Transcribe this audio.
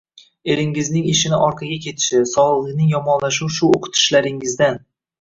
Eringizning ishini orqaga ketishi, sog`lig`ining yomonlashuvi shu o`qitishlaringizdan